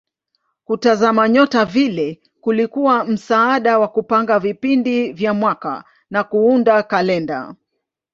Kutazama nyota vile kulikuwa msaada wa kupanga vipindi vya mwaka na kuunda kalenda.